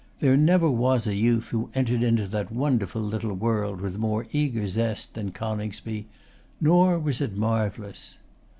There never was a youth who entered into that wonderful little world with more eager zest than Coningsby. Nor was it marvellous.